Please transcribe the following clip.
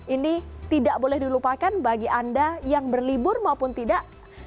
ini tidak boleh dilupakan bagi anda yang berlibur maupun tidak